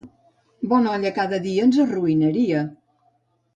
Bona olla cada dia ens arruïnaria.